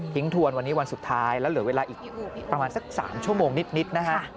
ทวนวันนี้วันสุดท้ายแล้วเหลือเวลาอีกประมาณสัก๓ชั่วโมงนิดนะฮะ